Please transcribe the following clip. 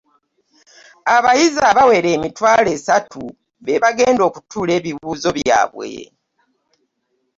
Abayizi abawera emitwalo asatu be bagenda okutuula ebibuuzo byabwe